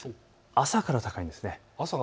朝から高いんです。